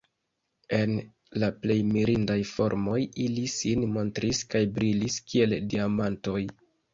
En la plej mirindaj formoj ili sin montris kaj brilis kiel diamantoj.